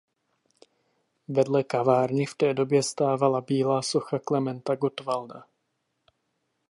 Vedle kavárny v té době stávala bílá socha Klementa Gottwalda.